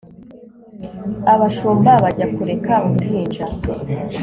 abashumba bajya kureba uruhinja